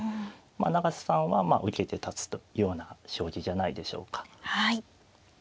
まあ永瀬さんは受けて立つというような将棋じゃないでしょうか。